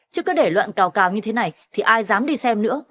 chứ cứ để loạn cào cào như thế này thì ai dám đi xem nữa